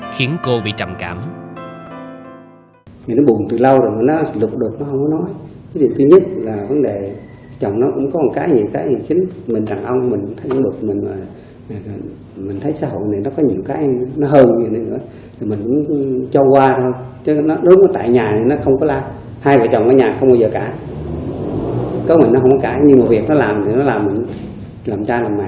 khiến cô bị trầm cảm